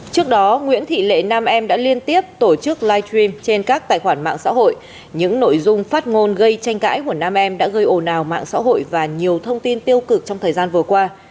trước đó nguyễn thị lệ nam em đã liên tiếp tổ chức live stream trên các tài khoản mạng xã hội những nội dung phát ngôn gây tranh cãi của nam em đã gây ồn ào mạng xã hội và nhiều thông tin tiêu cực trong thời gian vừa qua